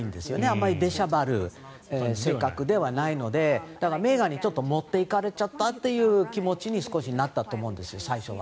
あまり出しゃばる性格ではないのでだからメーガンに持っていかれちゃったという気持ちに少し最初はなったと思うんですよ。